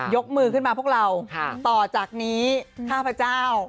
ยกมือขึ้นมาพวกเราต่อจากนี้ข้าพเจ้า